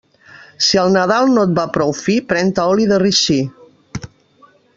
Si el Nadal no et va prou fi, pren-te oli de ricí.